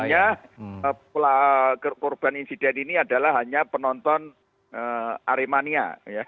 jadi ini korbannya korban insiden ini adalah hanya penonton aremania